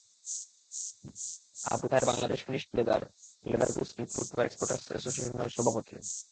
Abu Taher Bangladesh finished leather, leather goods and footwear exporters অ্যাসোসিয়েশনেরও সভাপতি।